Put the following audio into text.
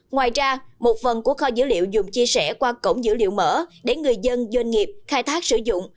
ngoài ra một phần của kho dữ liệu dùng chia sẻ qua cổng dữ liệu mở để người dân doanh nghiệp khai thác sử dụng